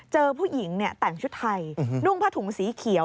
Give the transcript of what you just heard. เจอผู้หญิงแต่งชุดไทยนุ่งผ้าถุงสีเขียว